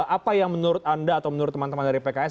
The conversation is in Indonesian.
apa yang menurut anda atau menurut teman teman dari pks